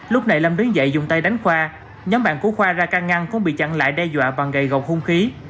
lúc này lâm đứng dậy dùng tay đánh khoa nhóm bạn của khoa ra can ngăn cũng bị chặn lại đe dọa bằng gậy gọc hung khí